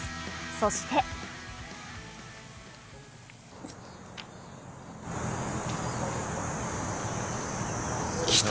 そして。来た！